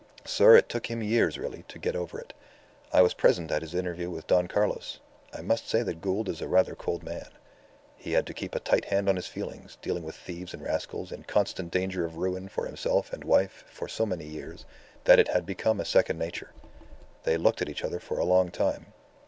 Sir, it took him years really, to get over it. I was present at his interview with Don Carlos. I must say that Gould is rather a cold man. He had to keep a tight hand on his feelings, dealing with thieves and rascals, in constant danger of ruin for himself and wife for so many years, that it had become a second nature. They looked at each other for a long time.